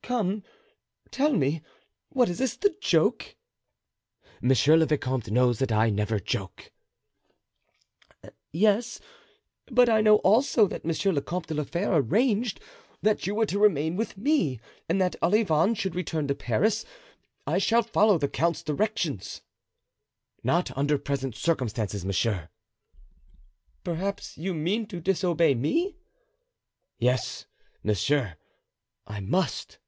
"Come, tell me, what is the joke?" "Monsieur le vicomte knows that I never joke." "Yes, but I know also that Monsieur le Comte de la Fere arranged that you were to remain with me and that Olivain should return to Paris. I shall follow the count's directions." "Not under present circumstances, monsieur." "Perhaps you mean to disobey me?" "Yes, monsieur, I must."